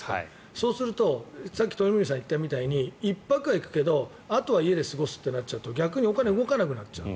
そうすると、さっき鳥海さんが言ったみたいに１泊はいるけどあとは家にいるってことになると逆にお金が動かなくなっちゃう。